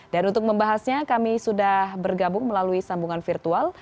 dan untuk membahasnya kami sudah bergabung melalui sambungan virtual